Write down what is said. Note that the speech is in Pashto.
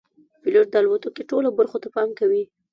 پیلوټ د الوتکې ټولو برخو ته پام کوي.